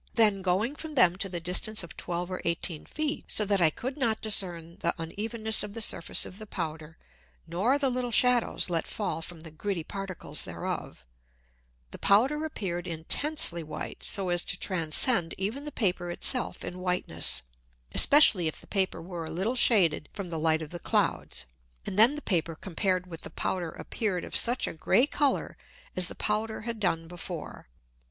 Then going from them to the distance of 12 or 18 Feet, so that I could not discern the Unevenness of the Surface of the Powder, nor the little Shadows let fall from the gritty Particles thereof; the Powder appeared intensely white, so as to transcend even the Paper it self in Whiteness, especially if the Paper were a little shaded from the Light of the Clouds, and then the Paper compared with the Powder appeared of such a grey Colour as the Powder had done before.